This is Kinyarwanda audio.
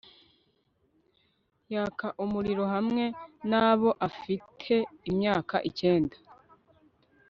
yaka umuriro hamwe naboafite imyaka icyenda